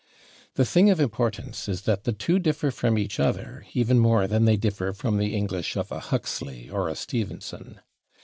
The thing of importance is that the two differ from each other even more than they differ from the English of a Huxley or a Stevenson.